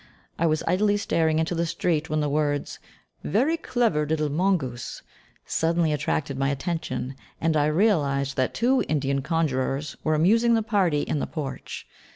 I was idly staring into the street when the words, "Very clever little mongoose," suddenly attracted my attention, and I realised that two Indian conjurers were amusing the party in the porch.